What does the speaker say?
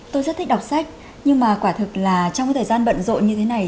tôi rất thích đọc sách nhưng mà quả thực là trong cái thời gian bận rộn như thế này